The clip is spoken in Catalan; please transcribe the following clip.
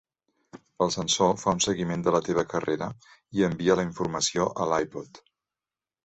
El sensor fa un seguiment de la teva carrera i envia la informació a l'iPod.